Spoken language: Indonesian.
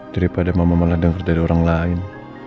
daripada mama malah dengar dari orang lain